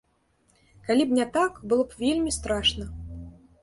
Калі б не так, было б вельмі страшна.